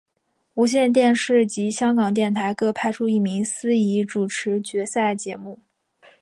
无线电视及香港电台各派出一名司仪主持决赛节目。